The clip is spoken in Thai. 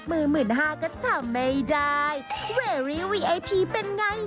เหมือนลูกเหมือนหลาน